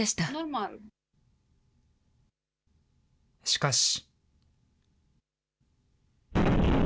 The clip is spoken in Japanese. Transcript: しかし。